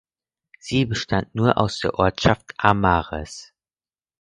Sie bestand nur aus der Ortschaft Amares.